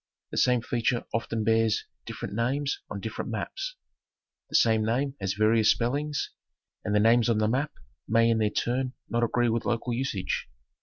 The same feature often bears different names on different maps. The same name has various spellings, and the names on the map may in their turn not agree with local usage.